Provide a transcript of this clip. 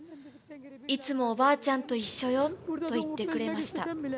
いつもおばあちゃんと一緒よと言ってくれました。